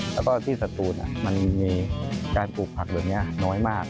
แล้วก็ที่สตูนมันมีการปลูกผักแบบนี้น้อยมาก